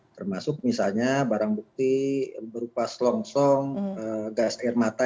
termasuk misalnya barang bukti berupa selongsong gas air mata